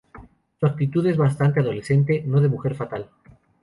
Su actitud es bastante adolescente, no de mujer fatal.